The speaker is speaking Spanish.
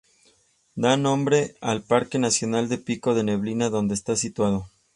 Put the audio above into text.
Da nombre al Parque nacional del Pico da Neblina, donde está situado.